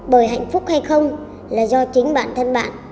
bởi hạnh phúc hay không là do chính bản thân bạn